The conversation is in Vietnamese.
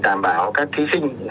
đảm bảo các thí sinh